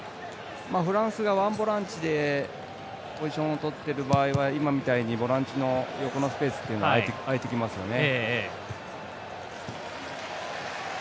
フランスがワンボランチでポジションをとっている場合は今みたいにボランチの横のスペースっていうのは空いてきますよね。